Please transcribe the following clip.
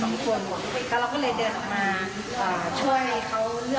เราก็รู้สึกว่าเขาไม่กลับมาเราก็เลยเดินไปดูกระเป๋า